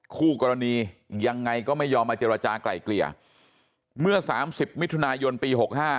คู่กรณียังไงก็ไม่ยอมมาเจรจากลายเกลี่ยเมื่อ๓๐มิถุนายนปี๖๕